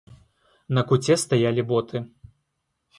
На куце стаялі боты.